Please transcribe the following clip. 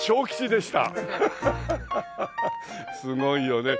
すごいよねえ。